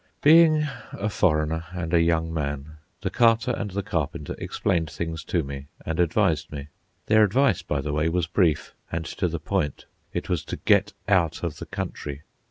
Being a foreigner, and a young man, the Carter and the Carpenter explained things to me and advised me. Their advice, by the way, was brief, and to the point; it was to get out of the country.